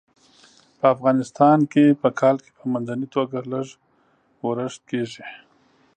په افغانستان کې په کال کې په منځنۍ توګه لږ ورښت کیږي.